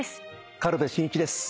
軽部真一です。